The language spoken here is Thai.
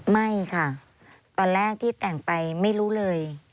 ไม่ค่ะตอนแรกที่แต่งไปไม่รู้เลย